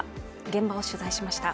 現場を取材しました。